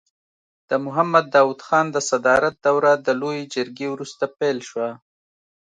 د محمد داود خان د صدارت دوره د لويې جرګې وروسته پیل شوه.